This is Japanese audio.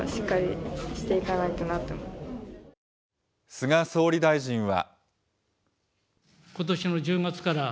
菅総理大臣は。